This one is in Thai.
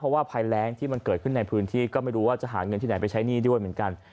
เพราะว่าภัยแรงที่มันเกิดขึ้นในพื้นที่ก็ไม่รู้ว่าจะหาเงินที่ไหนไปใช้หนี้ด้วยเหมือนกัน